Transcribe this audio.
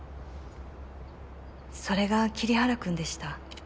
それが桐原君でした。